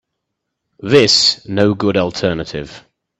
This no good alternative.